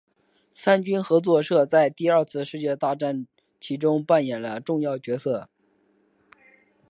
三军合作社在第二次世界大战其间扮演了重要的角色。